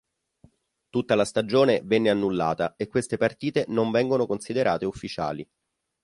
Tutta la stagione venne annullata e queste partite non vengono considerate ufficiali.